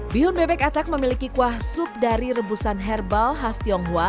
bihun bebek atak memiliki kuah sup dari rebusan herbal khas tionghoa